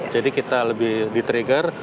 jadi kita lebih di trigger